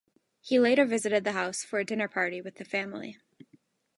He later visited the house for a dinner party with the family.